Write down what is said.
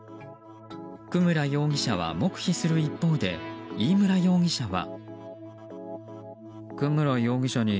久村容疑者は黙秘する一方で飯村容疑者は。